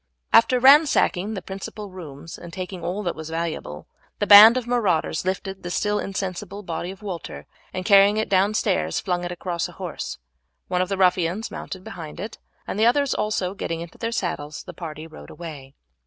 After ransacking the principal rooms and taking all that was valuable, the band of marauders lifted the still insensible body of Walter, and carrying it down stairs flung it across a horse. One of the ruffians mounted behind it, and the others also getting into their saddles the party rode away.